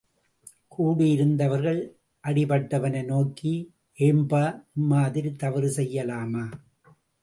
கூடியிருந்தவர்கள், அடிப்பட்டவனை நோக்கி, ஏம்பா, இம்மாதிரித் தவறு செய்யலாமா?